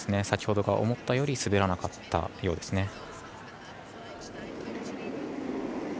先ほどが思ったより滑らなかったようですね。